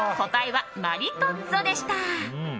答えはマリトッツォでした。